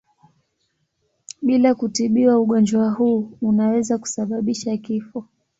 Bila kutibiwa ugonjwa huu unaweza kusababisha kifo.